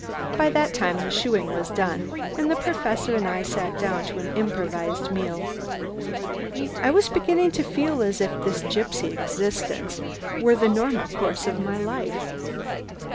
By that time the shoeing was done, and the Professor and I sat down to an improvised meal. I was beginning to feel as if this gipsy existence were the normal course of my life.